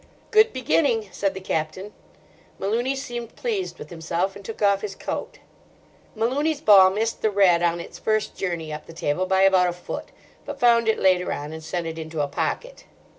"Good beginning!" said the Captain. Malooney seemed pleased with himself, and took off his coat. Malooney's ball missed the red on its first journey up the table by about a foot, but found it later on and sent it into a pocket.